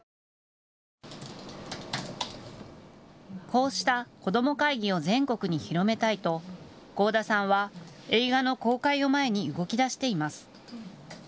こうした子ども会議を全国に広めたいと豪田さんは映画の公開を前に動きだしています。